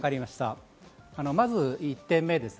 まず１点目です。